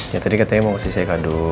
ya tadi katanya mau kasih saya kandung